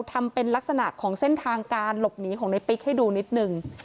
ทำเป็นลักษณะของเส้นทางการหลบหนีของในปิ๊กให้ดูนิดนึง